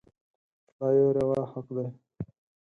دا يې روا حق دی.